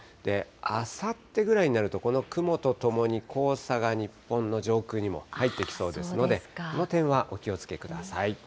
あさってぐらいになると、この雲とともに黄砂が日本の上空にも入ってきそうですので、この点はお気をつけください。